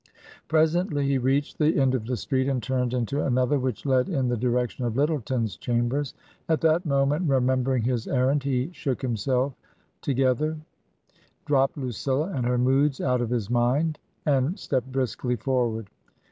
Presently he reached the end of the street and turned into another which led in the direction of Lyttleton's chambers. At that moment, remembering his errand, he shook himself together, dropped Lucilla and her moods out of his mind, and stepped briskly forward.